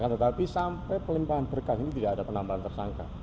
tetapi sampai penambahan berkat ini tidak ada penambahan tersangka